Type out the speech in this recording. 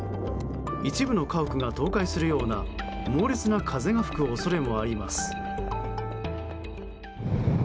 一部の家屋が倒壊するような猛烈な風が吹く恐れもあります。